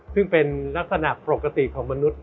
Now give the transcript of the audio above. ซึ่งเป็นลักษณะปกติของมนุษย